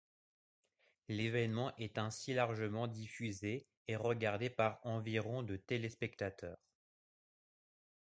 L’événement est ainsi largement diffusé et regardé par environ de téléspectateurs.